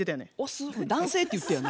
男性って言ってよな。